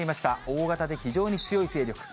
大型で非常に強い勢力。